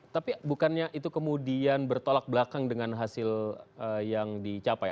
tapi bukannya itu kemudian bertolak belakang dengan hasil yang dicapai